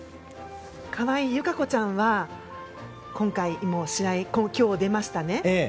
川井友香子ちゃんは今回、試合今日出ましたね。